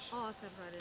oh setelah ini